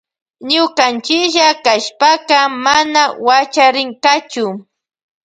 Ñukanchilla kashpaka mana wachariynkachu.